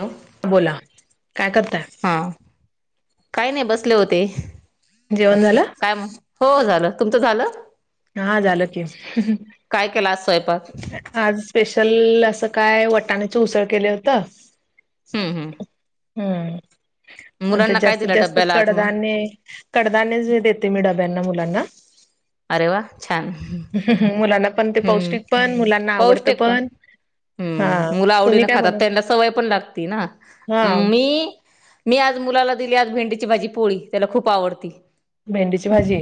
हॅो [unintelligible] बोला काय करताय हा काय नाही बसले होते जेवण झालं काय मग हो झालं तुमचं झालं हा झालं की हो काय केला आज स्वयंपाक आज स्पेशल असं काय वटाण्याची उसळ केले होतं हम्म हम्म हम्म आमच्या मुलांना काय जास्तीत दिला जास्त डब्याला आज मग कडधान्य कडधान्य देते मी डब्यांना मुलांना अरे वा छान ह ह मुलांना पण ते हम्म पौष्टिक पण मुलांना आवडतं पण हा हम्म मुलं तुम्ही आवडीनें काय खातात त्यांना बनवता सवय पण लागती ना हा मी मी आज मुलाला दिली आज भेंडीची भाजी पोळी त्याला खूप आवडती भेंडीची भाजी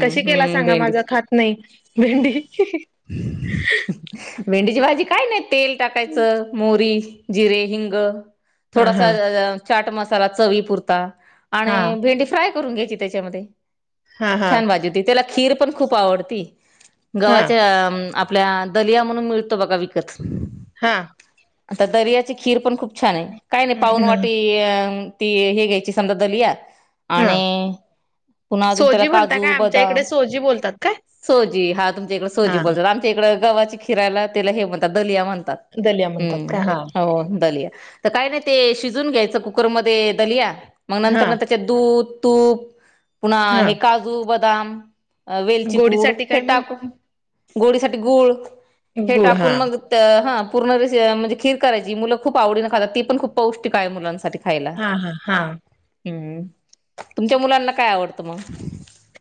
कशी केला हम्म सांगा माझ भेंडीची खात नाही भेंडी भेंडीची भाजी काय नाही तेल टाकायचं मोरी जिरे हिंग हा थोडासा हा चाट मसाला चवी पुरता हा आणि भेंडी फ्राय करून घ्यायची त्याच्यामध्ये हा हा छान बाजी तेलात खीर पण खूप आवडती हा गव्हा [unintelligible] हम्म आपल्या दलिया म्हणून मिळतो बघा विकत हम आता तरी याची खीर पण खूप छान आहे काय नाही पाहून वाटी [unintelligible] ती हे घ्यायची समद दलिया हा आणि पुन्हा अजून त्याला सोजी म्हणता काजू काय आमच्या इकडे बदाम सोजी बोलतात काय सोजी हा तुमच्या इकडे सोजी हा बोलतात आमच्या इकडे गव्हाची खिराला तिला हे म्हणतात दलिया म्हणतात दलिया म्हणतात हम्म का हा हो दलिया तर काय नाही ते शिजून घ्यायचं कुकरमध्ये दलिया मग हा नंतरन दूध तूप पुन्हा हा हे काजू बदाम अ वेलची पूड गोडीसाठी हे काय मग टाकून गोडीसाठी गूळ हे गुळ टाकून हा मग तर हम पूर्ण रे - म्हणजे खीर करायची मुलं खूप आवडीन खातात ती पण खूप पौष्टिक आहे मुलांसाठी खायला हा हा हा हम्म तुमच्या मुलांना काय आवडतं मग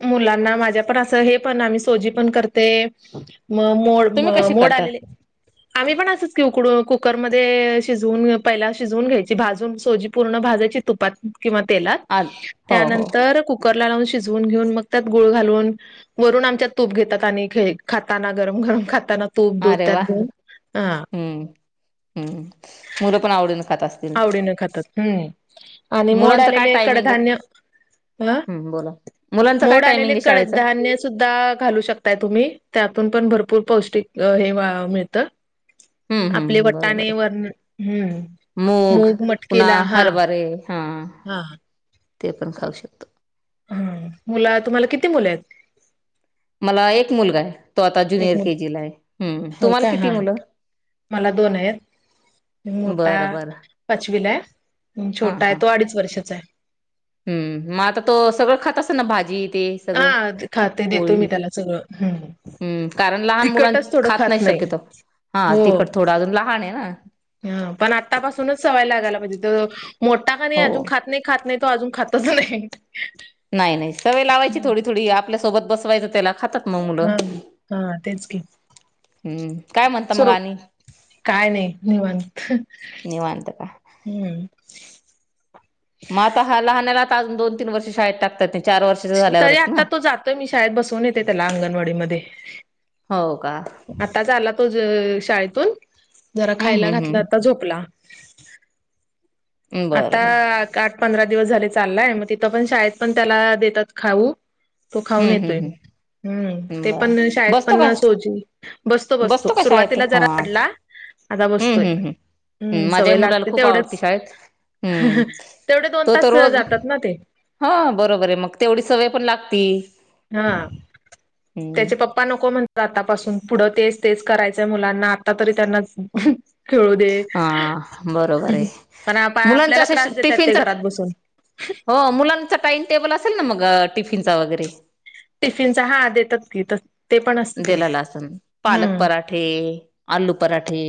मुलांना माझ्या पण असं हे पण आम्ही सोजी पण करते मग मोड तुम्ही म कशी मोड करता? आलेले आम्ही पण असच उकळून कुकरमध्येध्ये शिजवून पहिला शिजवून घ्यायची भाजून सोजी पूर्ण भाजायची तुपात किंवा तेलात आ हो हो त्यानंतर कुकर लावून शिजवा [unintelligible] [inaudible] घेऊन मग त्यात गुळ घालून वरून आमच्यात तूप घेतात आणि [unintelligible] खाताना गरम गरम खाताना तूप दूध अरे वा त्यात [unintelligible] हम्म हम्म हम्म मुलं पण आवडीन खातास आवडीनं खातात हम्म आणि मोड मुलांच काय आलेले टायमिंग आहे कडधान्य हम हम्म बोला मुलांच काय मोड टायमिंग आलेले आहे शाळेच कडधान्य खूप दाळ घालू शकताय तुम्ही त्यातून पण भरपूर पौष्टिक हे मिळतं. हम्म आपले हम्म बरोबर वटाणे, आहे वर हम्म मूग, मटकी पुन्हा ला हा. हरभरे हा हा ते पण खाऊ शकतो. हम्म. मुला तुम्हाला किती मुले आहेत? मला एक मुलगा आहे. तो आता एक ज्युनियर मुल केजी आहे. हम्म होय तुम्हाला काय किती हा मुलं? मला दोन आहेत. मोठा बरं बरं पाचवीला आहे, हा छोटा हा आहे तो अडीच वर्षाचा आहे. हम्म. मग आता तो सगळं खात असल ना भाजी ते सगळं हा खाते देतो मी पोळी त्याला सगळं हम्म हम्म कारण लहान मुलां खात नाही शक्यतो. हा तिखट थोडं अजून लहान आहे ना. हम्म. पण आता पासूनच सवय लागायला पाहिजेत, मोठा का नाही हो अजून खात नाही. खात नाही तो अजून खातोच नाही. नाही नाही. सवय लावायची थोडी थोडी आपल्यासोबत बसवायचं त्याला खातात. मग मुलं हा हा तेच की. हम्म काय म्हणता मग सुरू आणि काय नाही निवांत. निवांत का हम्म. मग आता हा लहानला दोन, तीन वर्ष शाळेत टाकतात चार वर्षाच्या झाल्यावरच ना? तर मी शाळेत बसवून येते त्याला अंगणवाडी मध्ये. हो का? आताच आला तो ज शाळेतून जरा हम्म खायला हम्म घातला आता हम्म झोपला. आता बरोबर पंधरा दिवस झाले चाललंय, मग तिथं पण शाळेत पण त्याला देतात खाऊ तो खाऊन हम्म येतोय. हम्म हम्म ते पण बर शाळेत बसतो का पण सोजी बसतो बसतो. का शाळेत तो? सुरुवातीला हा जरा रडला आता हम्म बसतोय. हम्म हम्म हम्म सवय माझ्याही मुलाला लागते खूप आवडती तेवढंच. शाळेत हम्म तेवढे दोन तास जातात ना ते. हो बरोबर मग तेवढी सवय पण लागती. हा. हम्म त्याचे पप्पा नको म्हणतात आतापासून पुढं तेच तेच करायचंय मुलांना आता तरी त्यांना खेळू दे हा बरोबर आहे पण मुलांच्या आपल्याला अशा त्रास देतात ते घरात टिफिनच बसून. हो मुलांचा टाइम टेबल असेल ना मग टिफिनचा वगैरे. टिफिनचा हा देतात की देतात. दिललं आसन पालक पराठे, आलू पराठे.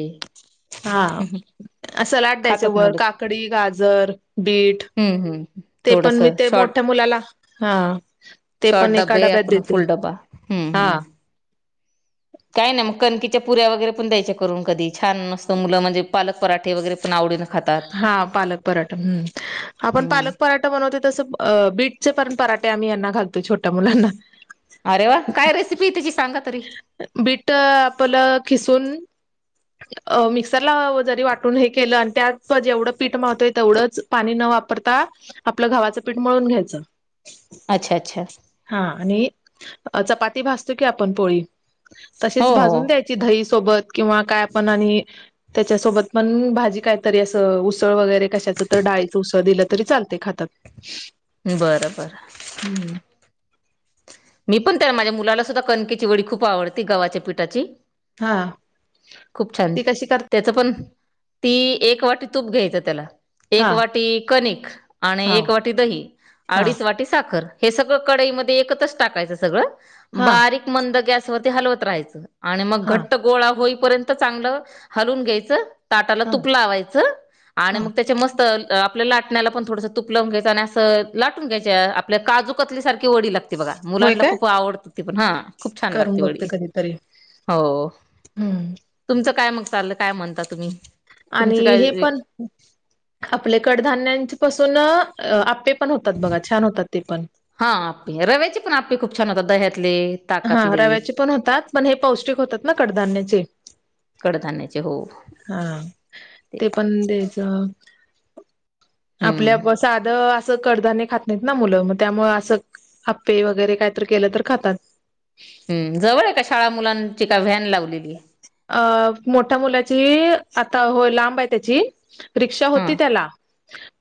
हा सलाड द्यायचे खातात वर मुलं काकडी गाजर बीट हम्म हम्म. ते थोडस पण मी ते शॉर्ट मोठ्या मुलाला हा ते शॉर्ट पण एका डब्बे डब्यात आपण देते फुल डबा हम्म हा हम्म. [inaudible] काही नाही मग कणकीच्या पुऱ्या वगैरे पण द्यायच्या करून कधी छान मस्त मुलं म्हणजे पालक पराठे वगैरे पण आवडीन हा पालक पराठा हम्म. आपण हम्म पालक पराठा बनवते तस बीटचे पण पराठे आम्ही यांना घालतो छोट्या मुलांना अरे वा! काय रेसिपी त्याची सांगा तरी बीट आपलं खिसून अ मिक्सरला जरी वाटून हे केलं आणि त्या पण जेवढं पीठ मावतोय तेवढंच पाणी न वापरता आपलं गव्हाचं पीठ मळून घ्यायचं. अच्छा अच्छा. हा आणि चपाती भाजतो की आपण पोळी तशीच हो हो भाजून द्या दही सोबत किंवा काय पण आणि त्याच्यासोबत पण भाजी कायतरी असं उसळ वगैरे कशाचं तर डाळीचं उसळ दिलं तरी चालतय खातात. बरं बर हम्म मी पण त्याला माझ्या मुलाला सुद्धा कनकेची वडी खूप आवडती गव्हाच्या पिठाची. हा खूप छान ती कशी कर त्याच पण ती एक वाटी तूप घ्यायचं त्याला एक हा वाटी कणिक आणि हा एक वाटी दही हा अडीच वाटी साखर हे सगळ कडईमध्ये एकत्र टाकायच सगळ हा बारीक मंद गॅसवर हलवत राहायचं आणि मग हा घट्ट गोळा होईपर्यंत चांगलं हलून घ्यायच ताटाला तुप हा लावायच. आणि मग त्याच्या मस्त आपल्या लाटण्याला पण थोडंसं तुप लावून घ्यायचं आणि असं लाटून घ्यायचे. आपल्या काजू कतलीसारखी वडी लागते बघा होय मुलांना काय खूप आवडत ती पण हा खूप छान करून लागते बघते वडी. कधीतरी हो हम्म तुमचं काय मग चाललं काय म्हणता तुम्ही? आणि तुमचं काय हे पण आपले कडधान्यां पासून आप्पे पण होतात बघा छान होतात ते पण. हा रव्याचे पण आप्पे खूप छान होत दह्यातले. हा ताकातले रव्याचे पण होतात पण हे पौष्टिक होतात ना कडधान्याचे. कडधान्याचे हो. हा ते पण द्यायचं. आपल्या हम्म साध असं कडधान्य खात. नाही ना मुलं मग त्यामुळे असं आप्पे वगैरे कायत केलं तर खातात. हम् जवळ एका शाळा मुलांची का व्हॅन लावली? अ मोठ्या मुलाची आता हो लांब आहे त्याची. रिक्षा हा होती त्याला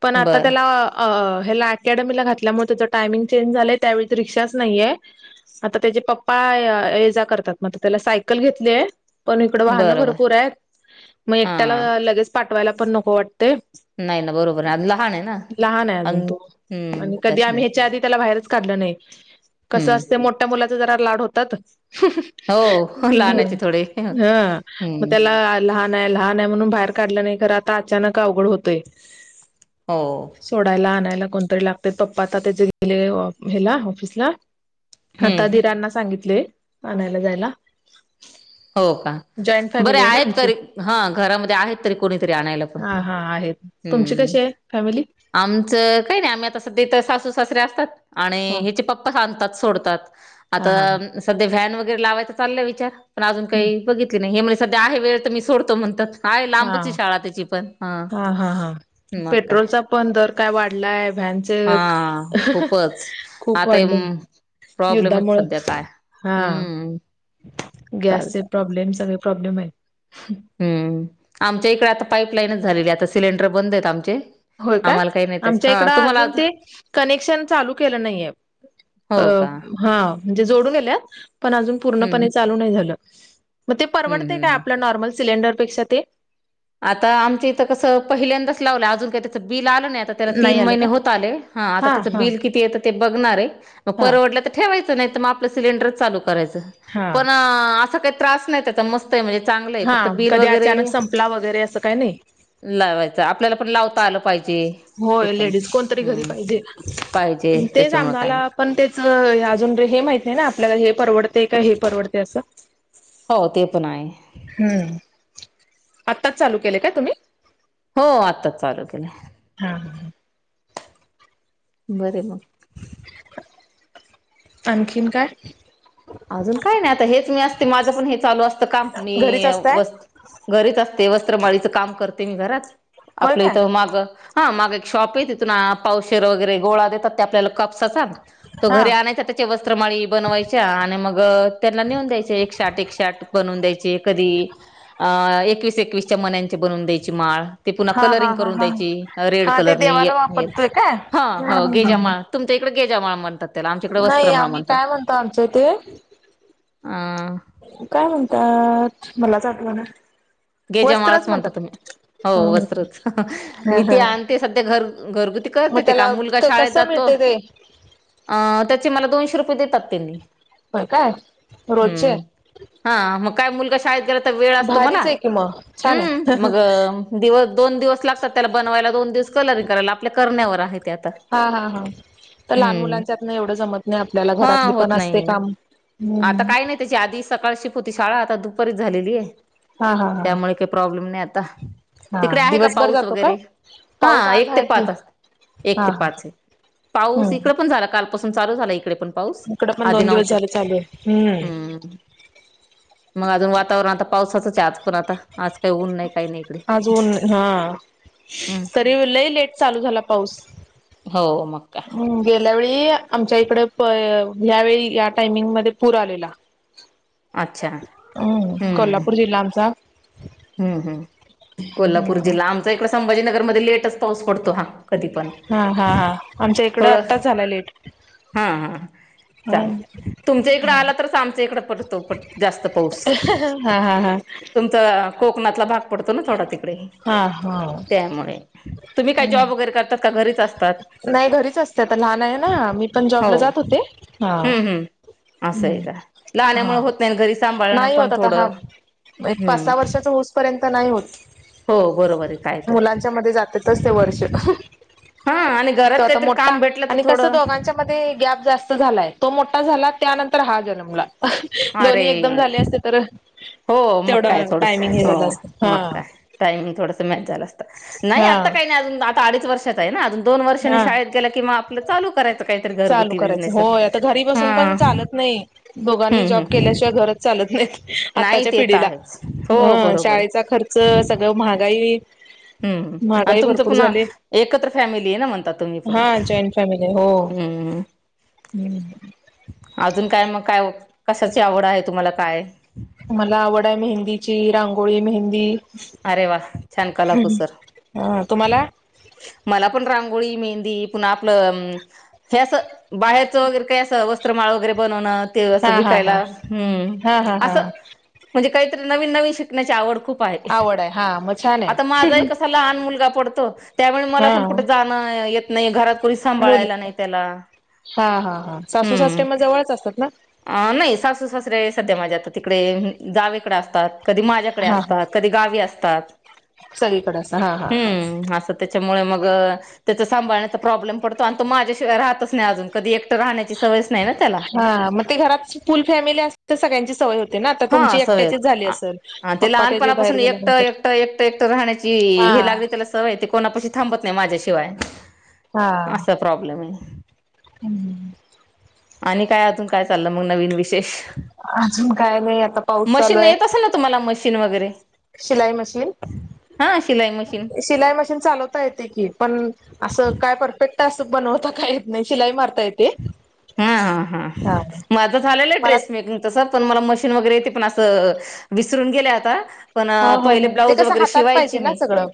पण आता त्याला बरं अ ह्याला अकॅडमीला घातल्यामुळे त्याच टायमिंग चेंज झालंय त्यावेळीच रिक्षाच नाहीये. आता त्याचे पप्पा ये जा करतात मग त्याला सायकल घेतली. पण इकड वाहनं बरोबर भरपूर आहेत मग हा एकट्याला लगेच पाठवायला पण नको वाटते नाही ना बरोबर आहे लहान आहे ना लहान आहे अन अजून तो हम्म आणि कधी आम्ही त्याच्यामुळे ह्याच्या आधी त्याला बाहेरच काढलं नाही कस हम्म असते मोठ्या मुलाचे जरा लाड होतात हो हम्म लनाच हा मग त्याला लहान आहे लहान आहे म्हणून बाहेर काढलं नाही खर आता अचानक अवघड होतय हो सोडायला आणायला कोणतरी लागते पप्पा आता त्याचे गेले हला ऑफिसला हम्म आता धीरांना सांगितले आणायला जायला हो का जॉईंट बरे फॅमिली आहे ना आहेत आमची कारी हा घरामध्ये आहेत तरी कोणीतरी आणायला पण हा हा आहेत तुमची हम्म कशी आहे फॅमिली आमचं काही नाही आम्ही आता सध तर सासू सासऱे असतात आणि हा हिचे पप्पा सांधतात सोडतात हा हा हा आता सध्या व्हॅन वगैरे लावायचं चाललंय विचारणज काही बघितली नाही हे म्ह सध्या आहे वेळ तर मी सोडतो म्हणतात. आहे लांबची हा शाळा त्याची पण ह हा हा हा मग काय. पेट्रोलचा पण दर काय वाढलाय व्हॅनचे हा खूपच खूप आता वाढले प्रॉब्लेमच युद्धामुळे सध्या काय हा हम्म. गॅसचे चालत प्रॉब्लेम सगळे प्रॉब्लेम आहेत. हम्म आमच्या इकडे आता पाईपलाईनच झालेली आता सिलेंडर बंद आहेत आमचे होय काय आम्हाला काही नाही त्याच्या आमच्या हा इकड तुम्हाला अजून ते कनेक्शन चालू केलं नाहीे हो अ का हां म्हणजे जोडून गेल्यात पण अजून हम्म पूर्णपणे चालू नाही झालं मग ते हम्म परवडत हम्म काय हम्म आपल्या नॉर्मल सिलेंडरपेक्षा ते आता आमच इथं कसं पहिल्यांदाच लावलं अजून काही बिल आलं नाही आता त्याला नाही तीन आलं महिने का होत आले, हा आता त्याच बिल किती येत ते बघणार आहे. मग हा परवडल्या तर ठेवायचं नाही, तर मग आपलं सिलेंडरच चालू, करायचं हा पण असं काही त्रास नाही. मस्त आहे म्हणजे चांगलं आहे, फक्त बिल वगैरे, ला वगैरे असं काही नाही, लावायचं आपल्याला पण लावता आलं, पाहिजे ते होय पण लेडीज कोणतरी घरी हम्म पाहिजे, पाहिजे तेच त्याच्यामुळे काय आम्हाला, नाही पण तेच अजून रे हे माहित आहे ना, आपल्याला हे परवडते का हे परवडते असं. हो ते पण आहे, हम्म आत्ताच चालू केले काय तुम्ही? हो आता चालू केलं, हा हा [unintelligible] बर मग, आणखीन काय? अजून काय नाही आता हेच मी, असते माझं पण हे चालू असतं काम घरीच मी असताय व घरीच असते वस्त्रमाळीचं काम, करते मी घरात होय आपलं काय इथं माग, हा माग एक शॉप आहे तिथून, पावशर वगैरे गोळा देतात ते आपल्याला कापसा चा, तो हा घरी आणायचा त्याच्या वस्त्रमाळी बनवायच्या, मग त्यांना नेऊन द्यायच एक शाट एक शाट बनवून द्यायचे, कधी अ एकवीस एकवीसच्या मनाची बनवून द्यायची माळ, ते पुन्हा हा कलरिंग हा हा करून हा द्यायची, रेड हा ते कलरनी देवाला ये वापरतोय काय? ह हम्म हो हम्म हम्म गेजामाळ, तुमच्या इकडे गेजा माळ म्हणात, त्याला आमच्याकडे नाही वत्रमाळ आम्ही म्हणतात, काय म्हणतो आमच्या हेते, ह, काय म्हणतात मलाच आठवणं, गेजामाळाच म्हणता तुम्ही हो ह वस्त्रच, मी ह ते आण ते सध्या घर घरगुती कर मग ते त्याला काम मुलगा शाळेत कसं जातो, मिळते ते अ त्याचे मला दोनशे रुपये देतात त्यांनी, बर काय हम्म रोजच? हा मग काय मुलगा शाळेत गेला तर वेळ असतो मला, भारीच आहे कि मग छान आहे हम्म मग दिवस दोन दिवस लागतात, त्याला बनवायला दोन दिवस कलरिंग करायला आपल्या करण्यावर आहेत. हा हा हा तर लहान मुलांच्यातन एवढं जमत नाही. आपल्याला हा घरातली पण होत असते नाही काम, आता हम्म काय नाही त्याची, आधी सकाळ शिप होती शाळा आता दुपारीच झालेली आहे. हा हा हा, त्यामुळे काही प्रॉब्लेम नाही आता, हा तिकडे आहे का दिवसभर पाऊस जातो काय? वगैरे? पाऊस हा आज एक ते आहे की पाच अस एक हा ते हा पाच आहे, पाऊस हम्म इकड पण झाला, कालपासून चालू झाला इकडे पण, पाऊस इकडं पण आधी दोन दिवस नव्हता झाले चालू हम्म, मग अजून वातावरण आता पावसाचंच, आज पण आता आज काही ऊन नाही काही नाही इकडे, अजून हा हम्म तरी लय लेट चालू झाला पाऊस, हो मग का, आपल्या वळी आमच्या इकड, ह्यावेेळी या टायमिंगमध्येध्ये पूर आलेला. अच्छा हम्म कोल्हापूर जिल्हा आमचा, हम्म हम् कोल्हापूर हम्म जिल्हा, आमचा इकड संभाजीनगर मध्ये लेटच पाऊस पडतो हा, कधी पण, हा हा हा आमच्या इकडं थोडं आत्ताच झाला लेट. हा हा, हा चांग तुमच्या इकडं आला, तरच आमच्या इकडं पडतो प जास्त पाऊस. हा हा [unintelligible] तुमचं कोकणातला भाग, डतो ना थोडा तिकडे, हा हा. त्यामुळे तुम्ही काय जॉब वगैरे करताात का घरीच अस? नाही घरीच असते आता लहान आहेना, मी पण जॉबला हो जात होते हा हम्म हम्म असं हम्म आहे का लहाण्यामुळे हा होत नाही घरी सांभाळणं नाही पण होताता ह, थोडं पाच हम्म सहा वर्षाचा हुस, पर्यंत नाही हो बरोबर आहे होत कायतरी मुलांच्या मध्ये जातातच. वर्ष हा आणि [unintelligible] तो घरात आता काहीतरी मोठा काम भेटलं तर आणि कसं थोडं दोघं, याचं मध्ये गेप जास्त झालाय, तो मोठा झाला त्यानंतर हा जन्मला, दोन्ही एकदम अरे झाले असते तर, हो मक्का आहे तेवढं थोडस टायमिंग हे हो झालं असत हा मक्काय टाईम थोडस मॅच झालं असत नाही हा आता काही नाही अजून आता अडीच वर्ष अजून दोन वर्षांनी हा शाळेत गेला कि आपलं चालू करायचं काहीतरी चालू घरगुती करायचं बिजनेस होय आता घरी बसून पण चालत नाही दोघांनी जॉब केल्याशिवाय घरात चालत नाही नाही आत्ताच्या ते तर पिढीला आहेच हो अ बरोबर आहे शाळेचा खर्च सगळं महागाई हम् आणि महागाई तुमचं भरपूर पुन्हा झाले एकत्र फॅमिली आहे ना म्हणतात, तुम्ही हा पुन्हा जॉईंट फॅमिली आहे. हो हम्म अजून काय मग काय कशाची आवड आहे, तुम्हाला काय मला आवड आहे मेहंदीची, रांगोळी, मेहंदी अरे वा छान कलाकूसर ह तुम्हाला मला पण रांगोळी, मेहंदी, पुन्हा आपलं अं हे असं बाहेरंच वगैरे काय असं वस्त्रमाळ वगैरे बनवण ते अस हा हा विकायला हा हम्म हा हा असं हा म्हणजे काहीतरी नवीन नवीन शिकण्याची आवड खूप आहे. आवड आहे हां म आता माझाही कसा लहान मुलगा पडतो. त्यावेळी मला पण हा कुठे जाणं येत नाही घरात कोणी मुल सांभाळायला नाही त्याला हा हा हा सासू हम्म सासरें मग जवळच असतात ना, अ नाही सासू सासरे सध्या माझ्या आता तिकडे जावेकडे असत. कधी माझ्याकडे हा हा असतात कधी गावी असतात् सगळीकडे असं हा हा हा अस त्याच्यामुळे मग त्या सांभण्याचा प्रॉब्लेम पडतो आणि तो माझ्याशिवाय राहतच नाही अजून कधी राहण्याची सवयच नाही ना त्याला हा मग ते घरात फुल फॅमिली असते तर सगळ्यांची सवय होती. हा सवय ते पप्पा त्याचे बाहेर लहानपणापासून एकटं गेल्यानंतर एकट एकटं एकटं राहण्याची हा हे लागणी त्याला सवय ते कोणा पशी थांबत नाही माझ्याशिवाय हा असा प्रॉब्लेम आहे. हम्म आणि काय अजून काय चाललं मग नवीन विशेष अजून काय नाही आता, पाऊस चालू मशीन आहे येत असे ना तुम्हाला मशीन वगैरे शिलाई मशीन हा शिलाई मशीन शिलाई मशीन चालवता येते की पण असं काय परफेक्ट अस बनवता काय येत नाही शिलाई मारता येते. हा हा हा मग आता झालेलं मला ड्रेस मेकिंग त पण म मशीन वगैरे पण अस विसरून गेल्या आता पण ह पहिले ह ते ब्लाऊज कसं वगैरे हातात शिवायची पाहिजे ना मी सगळं